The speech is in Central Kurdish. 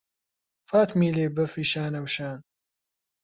فاتمیلێ بەفری شانەوشان